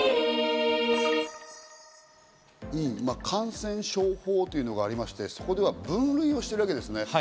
感染症法というのがありまして、そこでは分類してるわけですね。